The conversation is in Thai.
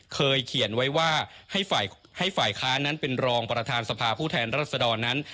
เคยเขียนไว้ว่าให้ฝ่ายค้านั้นเป็นรองประธานสภาผู้แทนรัศดรนั้น